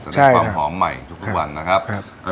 ได้ความหอมใหม่ทุกวันนะครับ